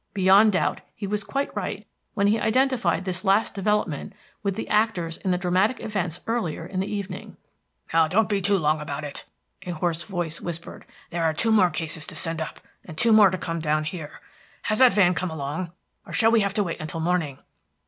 Beyond doubt he was quite right when he identified this last development with the actors in the dramatic events earlier in the evening. "Now don't be long about it," a hoarse voice whispered. "There are two more cases to send up, and two more to come down here. Has that van come along, or shall we have to wait until morning?"